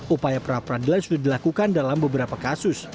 upaya pra peradilan sudah dilakukan dalam beberapa kasus